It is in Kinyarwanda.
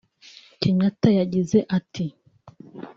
Kenyatta yagize ati